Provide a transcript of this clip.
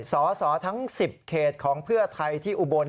สอสอทั้ง๑๐เขตของเพื่อไทยที่อุบล